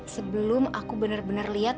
sebelum aku bener bener lihat